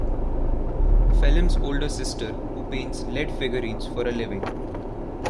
Phelim's older sister, who paints lead figurines for a living.